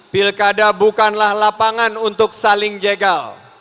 pilkada bukanlah lapangan untuk saling jegal